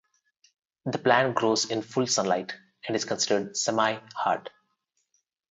The plant grows in full sunlight, and is considered "semi" hard.